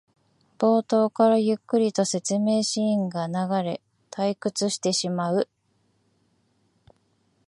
冒頭からゆっくりと説明シーンが流れ退屈してしまう